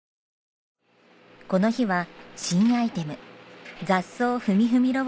この日は新アイテム雑草ふみふみ